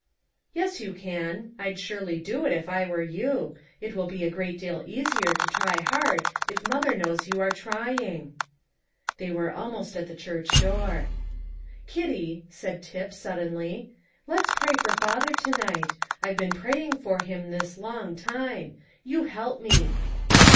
"Yes, you can; I'd surely do it if I were you. It will be a great deal easier to try hard if mother knows you are trying." They were almost at the church door. "Kitty," said Tip suddenly, "let's pray for father to night. I've been praying for him this long time; you help me."